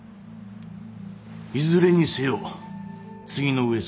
いずれにせよ次の上様はご成人。